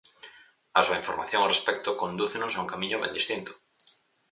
A súa información ao respecto condúcenos a un camiño ben distinto.